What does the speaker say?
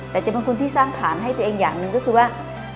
แต่จะเป็นคนที่สร้างฐานให้ตัวเองอย่างหนึ่งก็คือว่า